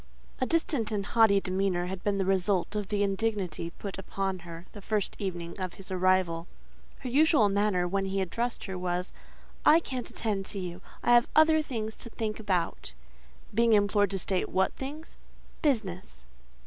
A distant and haughty demeanour had been the result of the indignity put upon her the first evening of his arrival: her usual answer, when he addressed her, was—"I can't attend to you; I have other things to think about." Being implored to state what things: "Business."